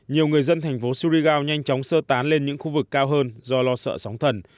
nhiều người dân thành phố suriga nhanh chóng sơ tán lên những khu vực cao hơn do lo sợ sóng thần